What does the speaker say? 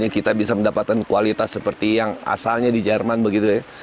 kita bisa mendapatkan kualitas seperti yang asalnya di jerman begitu ya